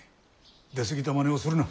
出過ぎたまねをするな。